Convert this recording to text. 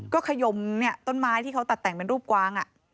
ก็ขยมต้นไม้ที่เขาตัดแต่งเป็นรูปกวาง